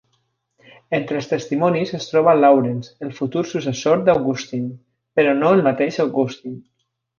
Entre els testimonis es troba Laurence, el futur successor d'Augustine, però no el mateix Augustine.